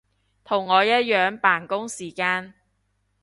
同我一樣扮工時間